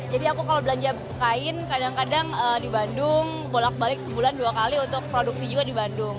jadi aku kalau belanja kain kadang kadang di bandung bolak balik sebulan dua kali untuk produksi juga di bandung